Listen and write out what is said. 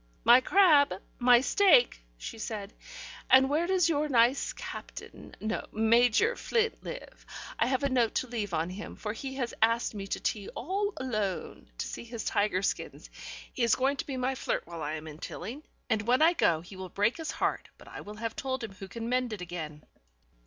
"My crab, my steak," she said. "And where does your nice Captain, no, Major Flint live? I have a note to leave on him, for he has asked me to tea all alone, to see his tiger skins. He is going to be my flirt while I am in Tilling, and when I go he will break his heart, but I will have told him who can mend it again."